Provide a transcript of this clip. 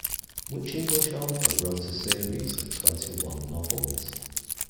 Which English author wrote a series of twenty-one novels?